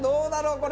これ。